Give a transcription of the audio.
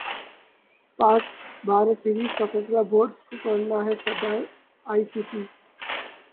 پاک بھارت سیریز کا فیصلہ بورڈ زکو کرنا ہےصدر ائی سی سی